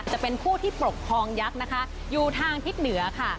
จะเป็นผู้ที่ปกครองยักษ์นะคะอยู่ทางทิศเหนือค่ะ